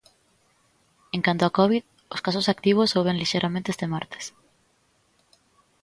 En canto á covid, os casos activos soben lixeiramente este martes.